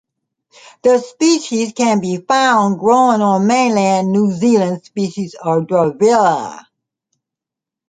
The species can be found growing on all mainland New Zealand species of "Durvillaea".